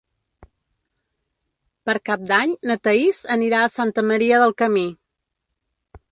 Per Cap d'Any na Thaís anirà a Santa Maria del Camí.